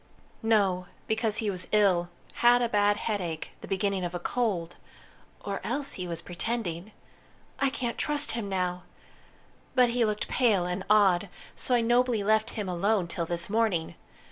"No, because he was ill had a bad headache the beginning of a cold. Or else he was pretending. I can't trust him now! But he looked pale and odd, so I nobly left him alone till this morning.